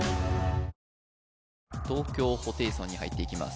東京ホテイソンに入っていきます